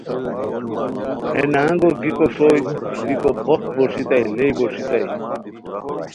ہے نہنگو گیکو ݰوئے بیکو بوخت بوݰیتائے لیئے بوݰیتائے